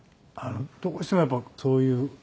どうしてもやっぱそういう感覚でした。